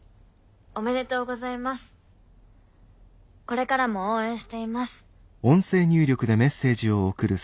これからも応援しています。